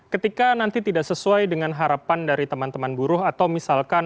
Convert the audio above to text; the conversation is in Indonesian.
ketika nanti tidak sesuai dengan harapan dari teman teman buruh atau misalkan